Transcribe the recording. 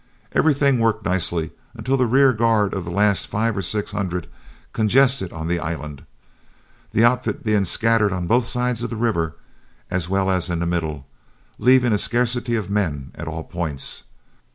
Everything worked nicely until the rear guard of the last five or six hundred congested on the island, the outfit being scattered on both sides of the river as well as in the middle, leaving a scarcity of men at all points.